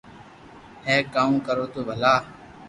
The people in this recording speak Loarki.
ھي ڪاو ڪرو تو ڀلا